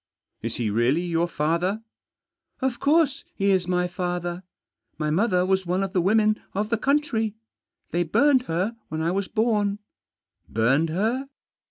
" Is he really your father ?" "Of course he is my father. My mother was one of the women of the country. They burned her when I was born." " Burned her